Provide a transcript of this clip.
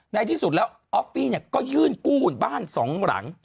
ในที่สุดแล้วออฟฟี่ก็ยื่นกู้บ้านสองหลัง